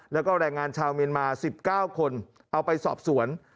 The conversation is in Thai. แล้วก็แรงงานชาวเมียนมา๑๙คนเอาไปสอบสวน